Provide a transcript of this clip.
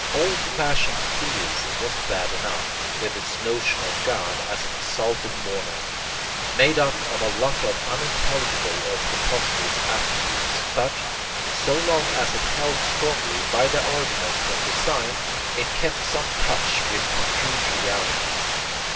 Old fashioned theism was bad enough, with its notion of God as an exalted monarch, made up of a lot of unintelligible or preposterous 'attributes'; but, so long as it held strongly by the argument from design, it kept some touch with concrete realities.